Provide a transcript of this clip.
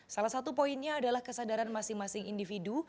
salah satu poinnya adalah kesadaran masing masing individu